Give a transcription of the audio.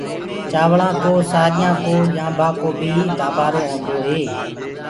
چآوݪآ ڪو سآريآ ڪو ڄآنٚڀآ ڪو بي لآبآرو هيندو هي۔